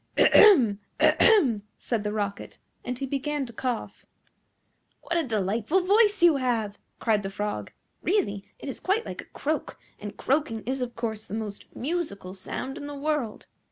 "Ahem! ahem!" said the Rocket, and he began to cough. "What a delightful voice you have!" cried the Frog. "Really it is quite like a croak, and croaking is of course the most musical sound in the world.